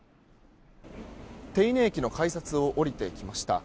手稲駅の改札を降りてきました。